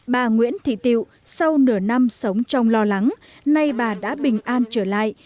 bà nguyễn thị tiệu sau nửa năm sống trong lo lắng nay bà đã bình an trở lại